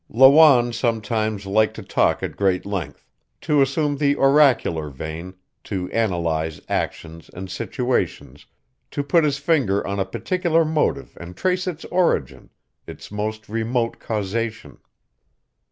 Lawanne sometimes liked to talk at great length, to assume the oracular vein, to analyze actions and situations, to put his finger on a particular motive and trace its origin, its most remote causation.